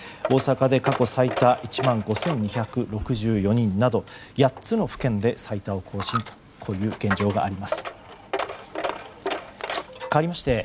大阪で過去最多１万５２６４人など８つの府県で最多を更新という現状があります。